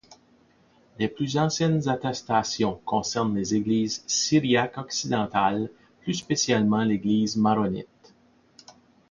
Les plus anciennes attestations concernent les Églises syriaques occidentales, plus spécialement l'Église maronite.